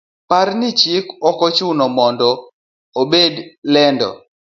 Par ni chik okochuno mondo obed lendo,